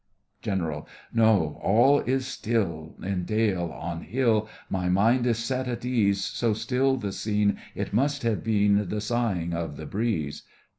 GENERAL: No, all is still In dale, on hill; My mind is set at ease— So still the scene, It must have been The sighing of the breeze.